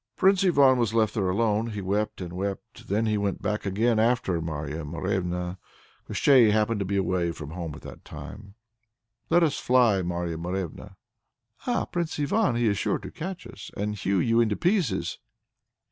Prince Ivan was left there alone. He wept and wept; then he went back again after Marya Morevna. Koshchei happened to be away from home at that moment. "Let us fly, Marya Morevna." "Ah, Prince Ivan! He is sure to catch us and hew you in pieces."